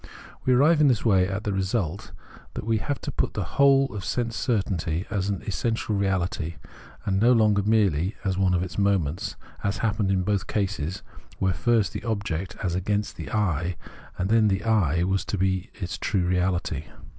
We arrive in this way at the result, that we have to put the whole of sense certainty as its essential reahty, and no longer merely one of its moments, as happened in both cases, where first the object as against the I, and then the I, was to be its true reality.